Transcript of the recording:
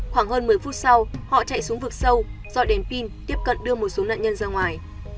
khoảng hơn một mươi phút sau họ chạy xuống vực sâu dọn đèn pin tiếp cận đưa một số nạn nhân ra ngoài